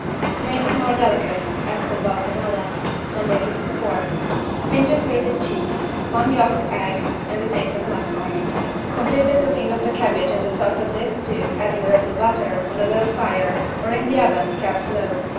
To make it more delicate, add some =balsamella= (No 54) a pinch of grated cheese, one yolk of egg and a taste of nutmeg. Complete the cooking of the cabbage in the sauce of this stew, adding a little butter, on a low fire or in the oven kept low.